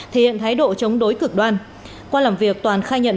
thể hiện thái độ chống đối cực đoan qua làm việc toàn khai nhận